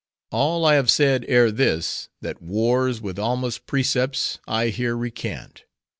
All I have said ere this, that wars with Alma's precepts, I here recant.